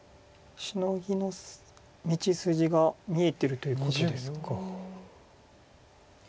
シノギの道筋が見えてるということですか。